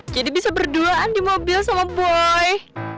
jadi bisa berduaan di mobil sama boy